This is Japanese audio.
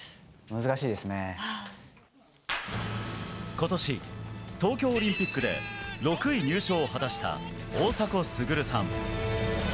今年、東京オリンピックで６位入賞を果たした大迫傑さん。